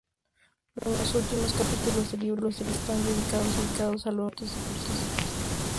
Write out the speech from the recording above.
Los últimos capítulos del libro están dedicados a los relatos de personas.